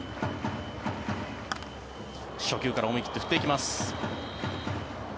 初球から思い切って振っていきます。